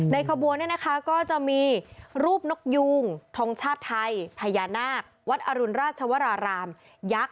ขบวนเนี่ยนะคะก็จะมีรูปนกยูงทงชาติไทยพญานาควัดอรุณราชวรารามยักษ์